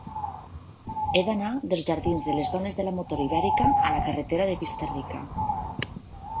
He d'anar dels jardins de les Dones de la Motor Ibèrica a la carretera de Vista-rica.